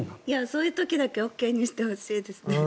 そういう時だけＯＫにしてほしいですね。